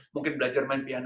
mungkin belajar main piano